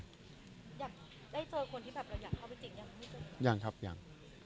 ได้เจอคนที่แบบเราอยากเข้าไปจีบยัง